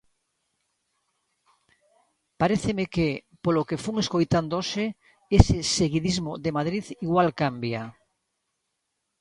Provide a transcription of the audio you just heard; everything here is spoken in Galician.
Paréceme que, polo que fun escoitando hoxe, ese seguidismo de Madrid igual cambia.